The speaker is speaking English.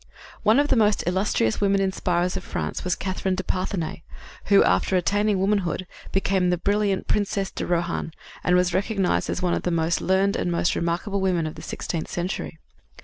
One of the most illustrious women inspirers of France was Catherine de Parthenay, who, after attaining womanhood, became the brilliant Princess de Rohan, and was recognized as one of the most learned and most remarkable women of the sixteenth century.